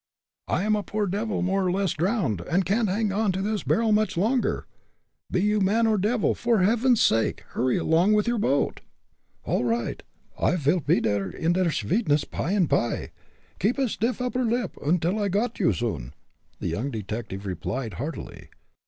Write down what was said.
"I am a poor devil more or less drowned, and can't hang on to this barrel much longer. Be you man or devil, for Heaven's sake hurry along with your boat." "All righd. I vil pe dere in der sweedness py und py. Keep a stiff upper lip, und I'll got you soon," the young detective replied, heartily.